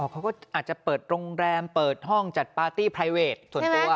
เขาก็อาจจะเปิดโรงแรมเปิดห้องจัดปาร์ตี้ไพรเวทส่วนตัว